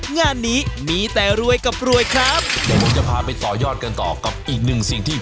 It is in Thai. งานนี้มีแต่รวยกับรวยครับเดี๋ยวผมจะพาไปต่อยอดกันต่อกับอีกหนึ่งสิ่งที่